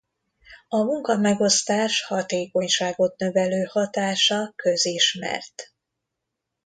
A munkamegosztás hatékonyságot növelő hatása közismert.